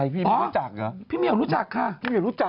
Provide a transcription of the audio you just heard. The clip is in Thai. พี่ไม่รู้จักเหรอ